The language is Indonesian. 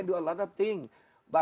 anda bisa melakukan banyak hal